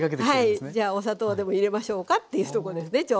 「じゃあお砂糖でも入れましょうか」っていうとこですね